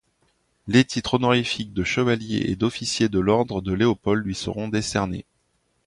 Les titres honorifiques de Chevalier et d’Officier de l’ordre de Léopold lui seront décernés.